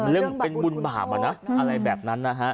เรื่องเป็นบุญบาปอะไรแบบนั้นนะฮะ